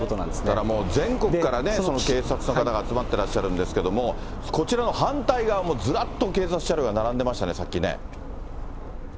だから全国からね、警察の方が集まってらっしゃるんですけれども、こちらの反対側もずらっと警察車両が並んでましたね、さっきね。